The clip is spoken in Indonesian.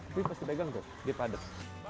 tapi pas dipegang tuh dia padat